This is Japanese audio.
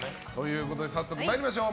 早速参りましょう。